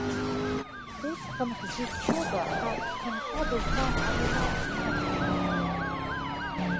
Усҟан ҳзыхьчода ҳарҭ ҭынха дызмам амилаҭ маҷқәа?